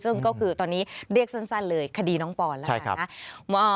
ซึ่งก็คือตอนนี้เรียกสั้นเลยคดีน้องปอนแล้วกันนะ